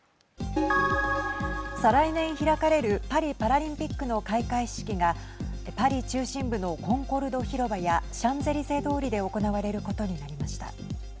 再来年開かれるパリパラリンピックの開会式がパリ中心部のコンコルド広場やシャンゼリゼ通りで行われることになりました。